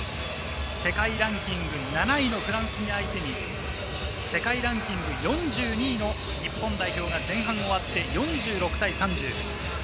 世界ランキング７位のフランス相手に世界ランキング４２位の日本代表が前半終わって４６対３０。